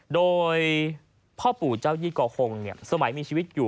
โดยพ่อปู่เจ้ายี่กอฮงสมัยมีชีวิตอยู่